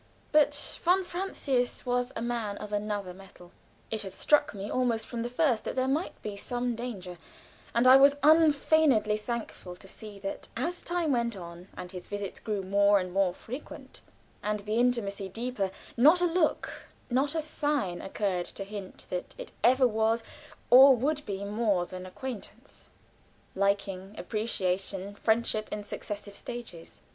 But von Francius was a man of another mettle. It had struck me almost from the first that there might be some danger, and I was unfeignedly thankful to see that as time went on and his visits grew more and more frequent and the intimacy deeper, not a look, not a sign occurred to hint that it ever was or would be more than acquaintance, liking, appreciation, friendship, in successive stages.